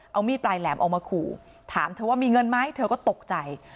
เอามีดปลายแหลมออกมาขู่ถามเธอว่ามีเงินไหมเธอก็ตกใจ